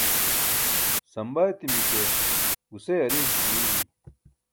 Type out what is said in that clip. samba etimi ke guse ariin ce duuymi